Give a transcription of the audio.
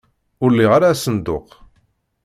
Ur liɣ ara asenduq.